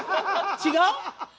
違う？